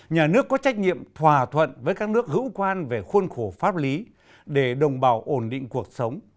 nhà nước có trách nhiệm thỏa thuận với các nước hữu quan về khuôn khổ pháp lý để đồng bào ổn định cuộc sống